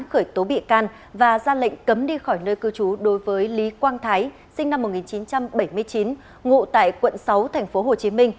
khởi tố bị can và ra lệnh cấm đi khỏi nơi cư trú đối với lý quang thái sinh năm một nghìn chín trăm bảy mươi chín ngụ tại quận sáu tp hcm